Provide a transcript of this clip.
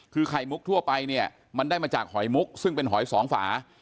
คือไข่มุกทั่วไปเนี่ยมันได้มาจากหอยมุกซึ่งเป็นหอยสองฝา